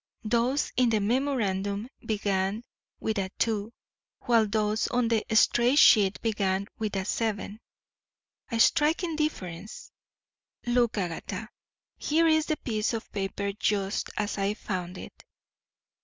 Those in the memorandum began with a 2, while those on the stray sheet began with a 7 a striking difference. Look, Agatha, here is the piece of paper just as I found it.